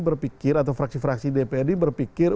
berpikir atau fraksi fraksi dprd berpikir